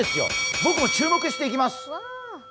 僕も注目していきます。